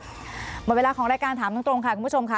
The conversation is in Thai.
หมดเวลาของรายการถามตรงค่ะคุณผู้ชมค่ะ